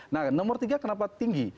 nah nomor tiga kenapa tinggi